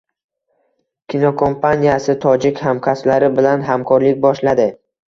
Kinokompaniyasi tojik hamkasblari bilan hamkorlik boshladi